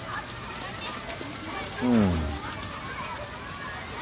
うん。